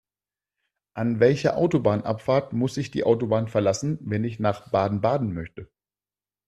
An welcher Autobahnabfahrt muss ich die Autobahn verlassen, wenn ich nach Baden-Baden möchte?